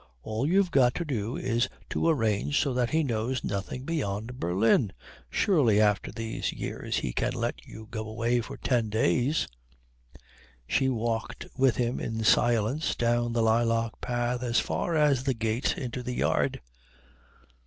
All you've got to do is to arrange so that he knows nothing beyond Berlin. Surely after these years he can let you go away for ten days?" She walked with him in silence down the lilac path as far as the gate into the yard.